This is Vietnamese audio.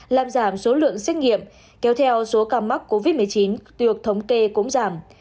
làm giảm số lượng xét nghiệm kéo theo số ca mắc covid một mươi chín được thống kê cũng giảm